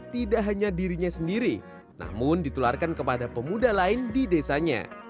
tidak hanya dirinya sendiri namun ditularkan kepada pemuda lain di desanya